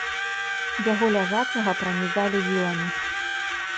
Яго ляжачага пранізалі віламі.